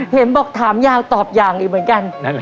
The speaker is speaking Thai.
เห็นบอกถามยาวตอบอย่างอีกเหมือนกัน